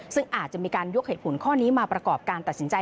ซึ่งอาจจะมีการยกเหตุผลข้อนี้มาประกอบการตัดสินใจ